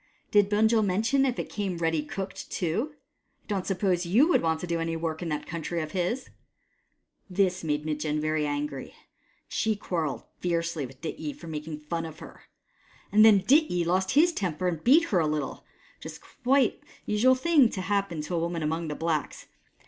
Did Bunjil mention if it came ready cooked too ? I don't suppose you would want to do any work in that country of his !" This made Mitjen very angry, and she quarrelled fiercely with Dityi for making fun of her ; and then Dityi lost his temper and beat her a little, which was quite a usual thing to happen to a woman among the blacks.